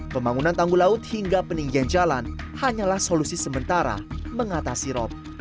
pembangunan tanggul laut hingga peninggian jalan hanyalah solusi sementara mengatasi rop